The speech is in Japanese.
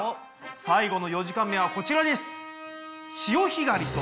最後の４時間目はこちらです。